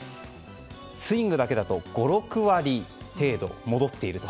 スイングだけだと５６割程度戻っていると。